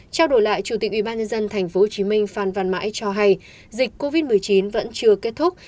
trao đổi lại chủ tịch ubnd thành phố hồ chí minh phan văn mãi cho hay dịch covid một mươi chín vẫn chưa kết thúc